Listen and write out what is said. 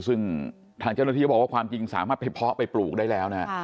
ซึ่งทางเจ้าหน้าที่เขาบอกว่าความจริงสามารถไปเพาะไปปลูกได้แล้วนะ